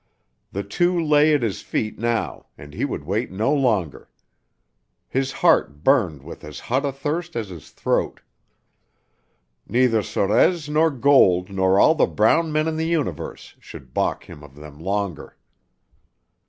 The two lay at his feet now and he would wait no longer. His heart burned with as hot a thirst as his throat. Neither Sorez nor gold nor all the brown men in the universe should balk him of them longer.